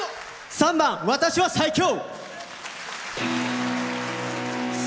３番「私は最強」。